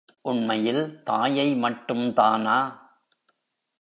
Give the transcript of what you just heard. உண்மையில் தாயை மட்டும்தானா?